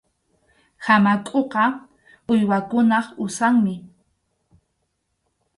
Hamakʼuqa uywakunap usanmi.